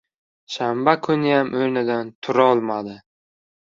Shanba kuniyam o‘rnidan turolmadi.